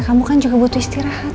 kamu kan juga butuh istirahat